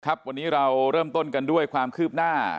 วันนี้เราเริ่มต้นกันด้วยความคืบหน้า